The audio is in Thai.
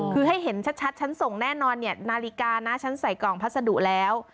คือให้เห็นชัดฉันส่งแน่นอนเนี่ยนาฬิกานะฉันใส่กล่องพัสดุแล้ว